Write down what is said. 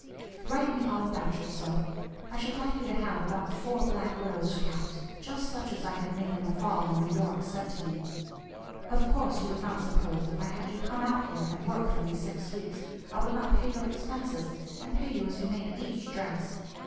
Write me all about yourself. I should like you to have about four black widow's caps, just such as I had made in the fall in New York, sent to me. Of course you would not suppose, if I had you come out here and work for me six weeks, I would not pay your expenses and pay you as you made each dress.